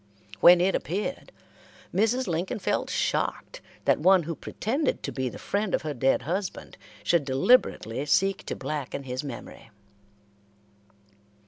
When it appeared, Mrs. Lincoln felt shocked that one who pretended to be the friend of her dead husband should deliberately seek to blacken his memory.